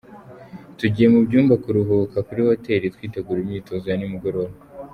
Tugiye mu byumba kuruhuka kuri hoteli twitegura imyitozo ya nimugoroba.